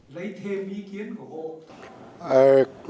lấy thêm ý kiến của hồ